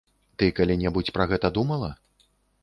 Ты калі-небудзь пра гэта думала?